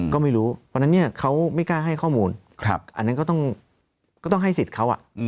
ก็ไม่รู้เพราะฉะนั้นเนี่ยเขาไม่กล้าให้ข้อมูลอันนั้นก็ต้องให้สิทธิ์เขา